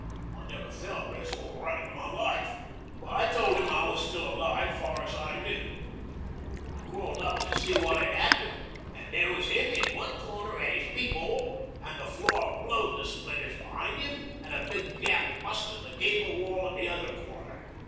I never felt less all right in my life, but I told 'im I was still alive, far as knew. I crawled up to see what 'ad 'appened, an' there was 'im in one corner at 'is peep 'ole, an' the floor blowed to splinters behind 'im an' a big gap bust in the gable wall at the other corner.